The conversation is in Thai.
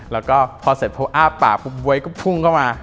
แล้วก็พอเสร็จพออ้าปากปุ๊บบ๊วยก็พุ่งเข้ามา